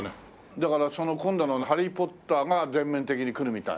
だからその今度『ハリー・ポッター』が全面的に来るみたい。